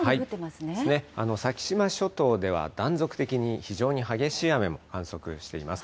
先島諸島では断続的に非常に激しい雨も観測しています。